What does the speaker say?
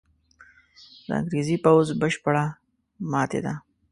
د انګرېزي پوځ بشپړه ماته ده.